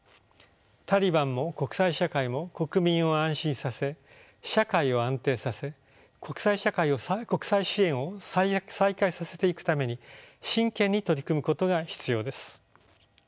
タリバンも国際社会も国民を安心させ社会を安定させ国際支援を再開させていくために真剣に取り組むことが必要です。